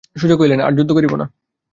সুজা কহিলেন, আর যুদ্ধ করিব না।